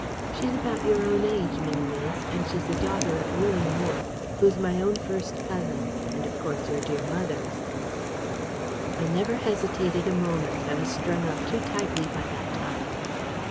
She's about your own age, Minnie is; and she's a daughter of Willie Moore, who's my own first cousin, and of course your dear mother's." I never hesitated a moment. I was strung up too tightly by that time.